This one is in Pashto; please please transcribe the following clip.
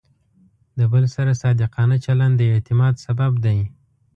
د بل سره صادقانه چلند د اعتماد سبب دی.